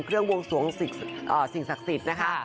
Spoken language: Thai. เครื่องวงศวงศ์สิ่งศักดิ์สิทธิ์นะคะ